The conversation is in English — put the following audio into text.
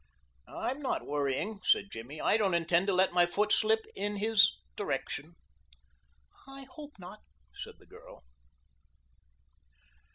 "I'm not worrying," said Jimmy. "I don't intend to let my foot slip in his direction." "I hope not," said the girl.